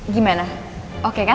gimana oke kan